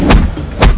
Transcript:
kau tidak tahu